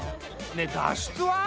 ねえ脱出は？